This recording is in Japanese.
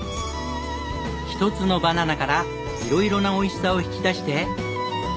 一つのバナナから色々なおいしさを引き出して。